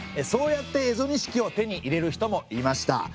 そうやって蝦夷錦を手に入れる人もいました。